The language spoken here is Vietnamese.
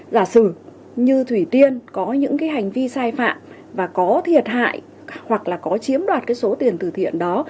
giả sử như thủy tiên có những cái hành vi sai phạm và có thiệt hại hoặc là có chiếm đoạt cái số tiền tử thiện đó